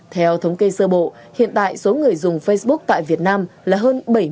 theo thống kê sơ bộ hiện tại số người dùng facebook tại việt nam là hơn bảy mươi